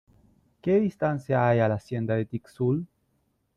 ¿ qué distancia hay a la Hacienda de Tixul ?